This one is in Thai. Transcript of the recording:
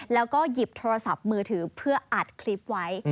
แล้วก็หยิบโทรศัพท์มือถือเพื่ออัดคลิปไว้